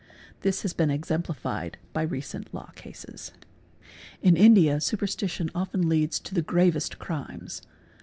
This has been e emplified by recent law cases 6), 7 | In India superstition often leads to the gravest crimes.